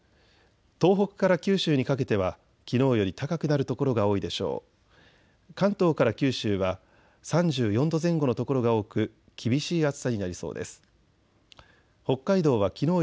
東北から九州にかけてはきのうより高くなる所が多いでしょう。